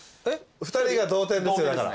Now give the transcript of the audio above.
２人が同点ですよだから。